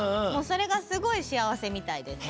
それがすごいしあわせみたいです。